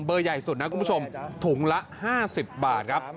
ใหญ่สุดนะคุณผู้ชมถุงละ๕๐บาทครับ